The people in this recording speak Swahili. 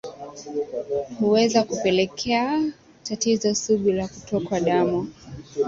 huweza kupelekea tatizo sugu la kutokwa damu